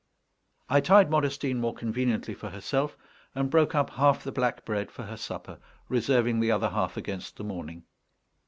I tied Modestine more conveniently for herself, and broke up half the black bread for her supper, reserving the other half against the morning.